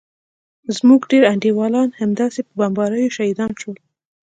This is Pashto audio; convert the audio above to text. زموږ ډېر انډيوالان همداسې په بمباريو شهيدان سول.